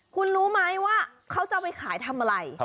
คุณรู้ไหมว่าเขาจะเอาไปขายทำอะไร